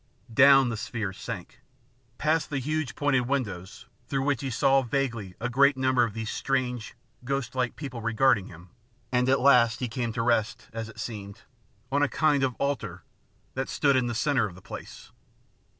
Down the sphere sank, past the huge pointed windows, through which he saw vaguely a great number of these strange, ghostlike people regarding him, and at last he came to rest, as it seemed, on a kind of altar that stood in the centre of the place.